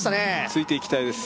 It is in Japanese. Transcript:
ついていきたいです